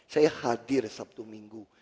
saya hadir sabtu minggu